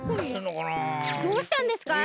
どうしたんですか？